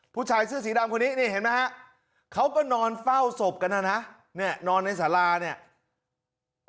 ผู้ชายเสื้อสีดำคนนี้นี่เห็นไหมฮะเขาก็นอนเฝ้าศพกันนะนะเนี่ยนอนในสาราเนี่ย